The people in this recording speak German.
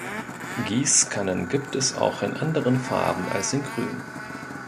Gießkannen gibt es auch in anderen Farben, als in grün.